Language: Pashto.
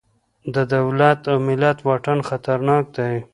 د دولت او ملت واټن خطرناک دی.